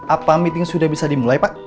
apa meeting sudah bisa dimulai pak